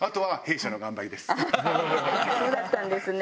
そうだったんですね